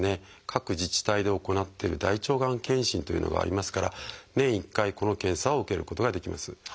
各自治体で行っている大腸がん検診というのがありますから年１回この検査を受けることができます。